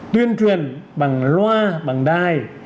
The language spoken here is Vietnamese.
tuyên truyền bằng loa bằng đai